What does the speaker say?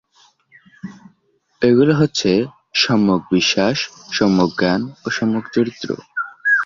এগুলো হচ্ছে: সম্যক বিশ্বাস, সম্যক জ্ঞান ও সম্যকচরিত্র।